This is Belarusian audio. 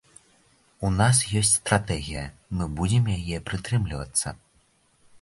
У нас ёсць стратэгія, мы будзем яе прытрымлівацца.